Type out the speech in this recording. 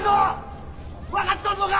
分かっとんのか！？